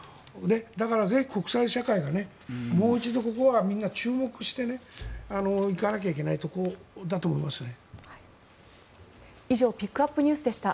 だからぜひ、国際社会がもう一度ここは注目していかなきゃいけないところだと思いますね。